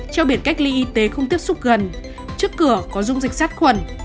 treo biển cách ly y tế không tiếp xúc gần trước cửa có dung dịch sát khuẩn